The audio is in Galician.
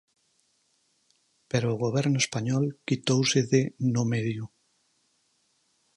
Pero o Goberno español quitouse de no medio.